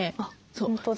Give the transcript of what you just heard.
本当だ。